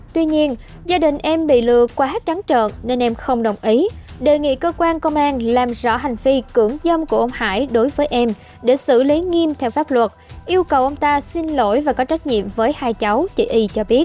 tuy nhiên gia đình em bị lừa qua hết trắng trợt nên em không đồng ý đề nghị cơ quan công an làm rõ hành vi cưỡng dâm của ông hải đối với em để xử lý nghiêm theo pháp luật yêu cầu ông ta xin lỗi và có trách nhiệm với hai cháu chị y cho biết